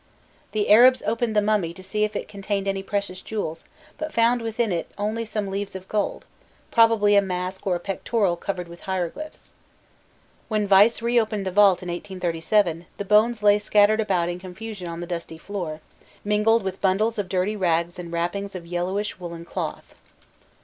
The Arabs opened the mummy to see if it contained any precious jewels, but found within it only some leaves of gold, probably a mask or a pectoral covered with hieroglyphs. When Vyse reopened the vault in 1837, the bones lay scattered about in confusion on the dusty floor, mingled with bundles of dirty rags and wrappings of yellowish woollen cloth.